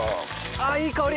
あいい香り！